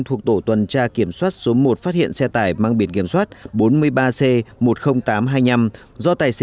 thuộc tổ tuần tra kiểm soát số một phát hiện xe tải mang biển kiểm soát bốn mươi ba c một mươi nghìn tám trăm hai mươi năm